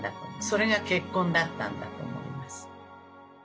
それが結婚だったんだと思います。